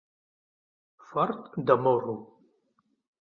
Fort de morro.